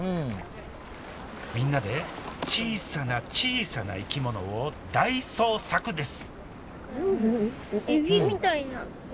みんなで小さな小さな生き物を大捜索です